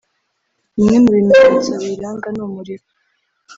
Bimwe mu bimenyetso biyiranga ni umuriro